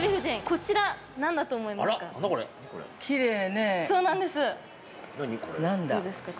こちら、何だと思いますか。